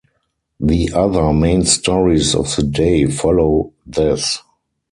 The other main stories of the day follow this.